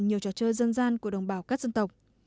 nhiều trò chơi dân gian của đồng bào các dân tộc